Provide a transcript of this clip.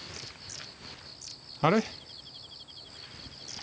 あれ？